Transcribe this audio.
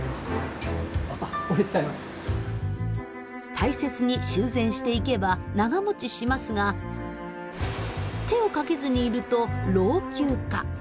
大切に修繕していけば長もちしますが手をかけずにいると老朽化。